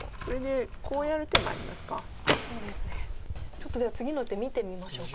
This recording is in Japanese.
ちょっとでは次の手見てみましょうか。